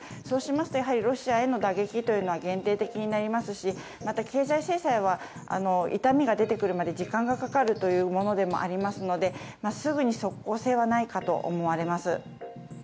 そうしますと、ロシアへの打撃というのが限定的になりますしまた経済制裁は痛みが出てくるまで時間がかかるものでもありますのですぐに即効性はないかと思われます。